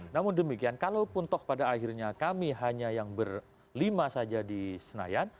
namun demikian kalaupun toh pada akhirnya kami hanya yang berlima saja di senayan